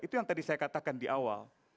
itu yang tadi saya katakan di awal